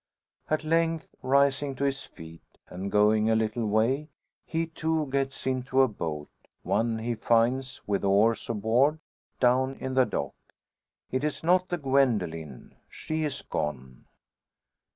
At length rising to his feet, and going a little way, he too gets into a boat one he finds, with oars aboard, down in the dock. It is not the Gwendoline she is gone.